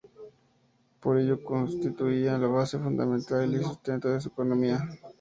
Por ello constituía la base fundamental y sustento de su economía.